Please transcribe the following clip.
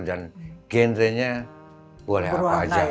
dan genrenya boleh apa aja